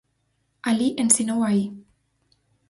Alí ensinou a I.